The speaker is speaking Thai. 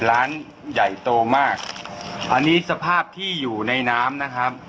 ร้านใหญ่โตมากอันนี้สภาพที่อยู่ในน้ำนะครับ